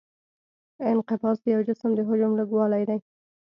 انقباض د یو جسم د حجم لږوالی دی.